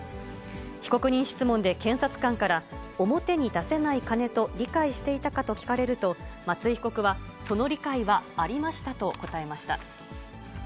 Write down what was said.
被告人質問で検察官から、表に出せない金と理解していたかと聞かれると、松井被告は、その理解はありましたと答えました。